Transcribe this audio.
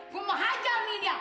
gue mau hajar nih dia